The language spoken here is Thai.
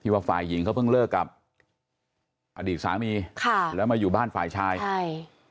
ว่าฝ่ายหญิงเขาเพิ่งเลิกกับอดีตสามีค่ะแล้วมาอยู่บ้านฝ่ายชายใช่